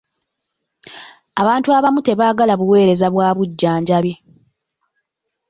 Abantu abamu tebaagala buweereza bwa bujjanjabi.